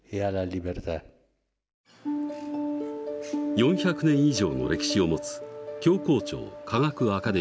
４００年以上の歴史を持つ教皇庁科学アカデミー。